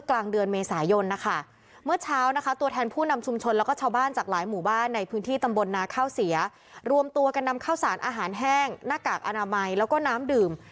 ทดสารอาหารแห้งหน้ากากอนามัยแล้วก็น้ำดื่ม